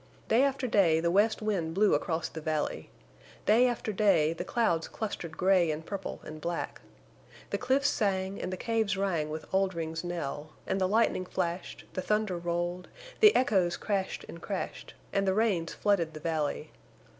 Day after day the west wind blew across the valley. Day after day the clouds clustered gray and purple and black. The cliffs sang and the caves rang with Oldring's knell, and the lightning flashed, the thunder rolled, the echoes crashed and crashed, and the rains flooded the valley.